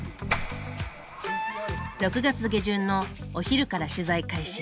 ６月下旬のお昼から取材開始。